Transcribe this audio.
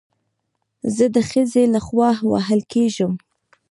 زه د ښځې له خوا وهل کېږم